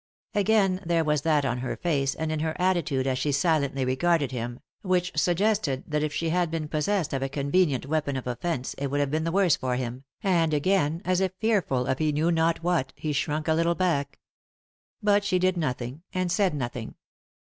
Again there was that on her face, and in her atti tude, as she silently regarded him, which suggested that if she had been possessed of a convenient weapon of offence it would have been the worse for him, and 127 Digtodb/Google THE INTERRUPTED KISS again, as if fearful of he knew not what, he shrunk a little back. But she did nothing, and said nothing.